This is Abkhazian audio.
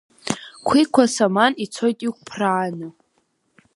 Қәиқәа саман ицоит иқәԥрааны.